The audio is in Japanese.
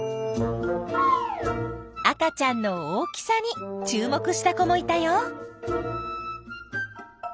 赤ちゃんの大きさに注目した子もいたよ。